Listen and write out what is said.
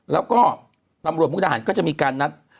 แล้วก็ตำรวจมุกดาหารก็จะมีการนัด